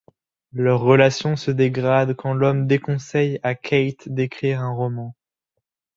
Leurs relations se dégradent quand l'homme déconseille à Kate d'écrire un roman.